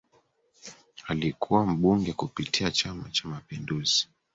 Alikua mbunge kupitia chama Cha Mapinduzi